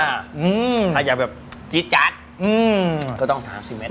อ่าถ้าอยากแบบจี๊ดจัดอืมก็ต้องสามสิบเม็ด